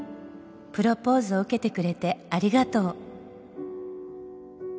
「プロポーズを受けてくれてありがとう」